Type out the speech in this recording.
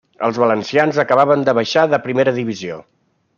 Els valencians acabaven de baixar de primera divisió.